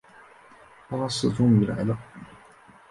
巴士终于来了